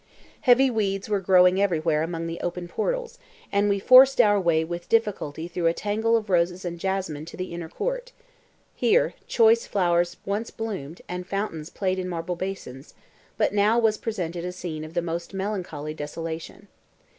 Heavy weeds were growing everywhere among the open portals, and we forced our way with difficulty through a tangle of roses and jasmine to the inner court; here choice flowers once bloomed, and fountains played in marble basins, but now was presented a scene of the most melancholy desolation.